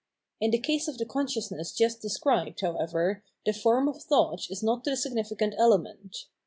In the case of the consciousness just described, however, the form of thought is not the signifi.cant element.